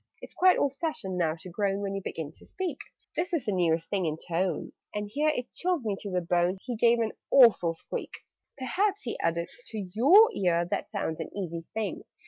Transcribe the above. "It's quite old fashioned now to groan When you begin to speak: This is the newest thing in tone " And here (it chilled me to the bone) He gave an awful squeak. "Perhaps," he added, "to your ear That sounds an easy thing?